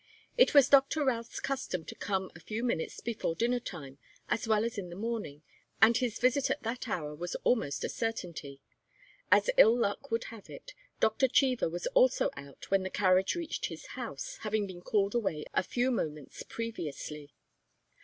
It was Doctor Routh's custom to come a few minutes before dinner time, as well as in the morning, and his visit at that hour was almost a certainty. As ill luck would have it, Doctor Cheever was also out when the carriage reached his house, having been called away a few moments previously.